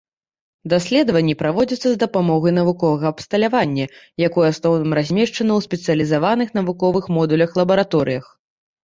Даследаванні праводзяцца з дапамогай навуковага абсталявання, якое ў асноўным размешчана ў спецыялізаваных навуковых модулях-лабараторыях.